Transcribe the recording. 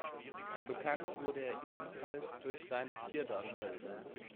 Bekannt wurde er ebenfalls durch seine Tierdarstellungen.